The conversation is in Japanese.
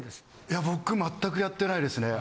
いや僕全くやってないですね。